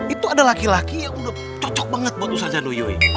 itu ada laki laki yang udah cocok banget buat usahanya nuyui